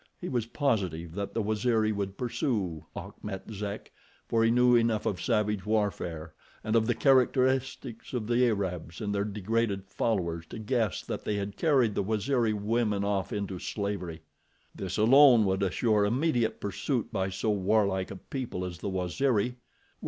He was positive that the Waziri would pursue Achmet Zek, for he knew enough of savage warfare, and of the characteristics of the Arabs and their degraded followers to guess that they had carried the Waziri women off into slavery. This alone would assure immediate pursuit by so warlike a people as the Waziri.